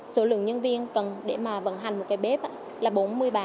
số lượng nhân viên cần để mà vận hành một cái bếp là bốn mươi ba